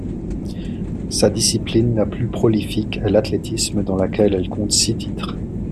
Sa discipline la plus prolifique est l'athlétisme, dans laquelle elle compte six titres.